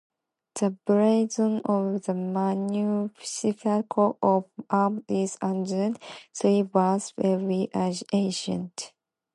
The blazon of the municipal coat of arms is Azure, three Bars wavy Argent.